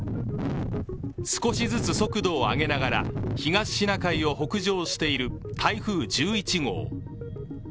少しずつ速度を上げながら東シナ海を北上している台風１１号。